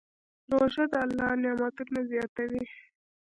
روژه د الله نعمتونه زیاتوي.